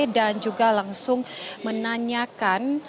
dan juga langsung menanyakan